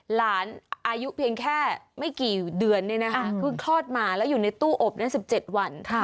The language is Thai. หลานอายุเพียงแค่ไม่กี่เดือนเพิ่งคลอดมาแล้วอยู่ในตู้อบ๑๗วัน